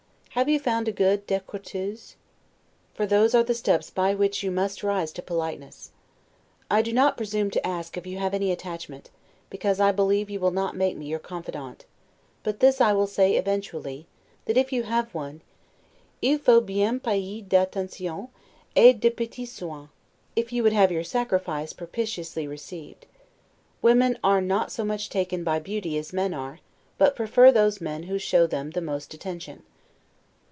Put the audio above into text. Have you found a good 'decrotteuse'. For those are the steps by which you must rise to politeness. I do not presume to ask if you have any attachment, because I believe you will not make me your confident; but this I will say, eventually, that if you have one, 'il faut bien payer d'attentions et de petits soin', if you would have your sacrifice propitiously received. Women are not so much taken by beauty as men are, but prefer those men who show them the most attention.